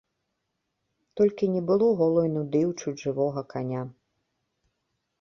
Толькі не было голай нуды ў чуць жывога каня.